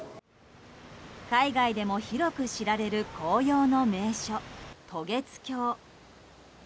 海外でも広く知られる紅葉の名所、渡月橋。